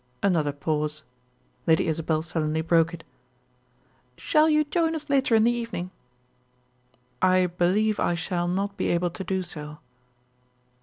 Another pause. Lady Isabel suddenly broke it. "Shall you join us later in the evening?" "I believe I shall not be able to do so."